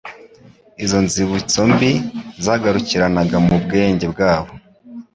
Izo nzibutso mbi zagarukiranaga mu bwenge bwabo.